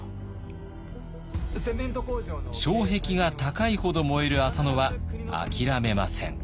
障壁が高いほど燃える浅野は諦めません。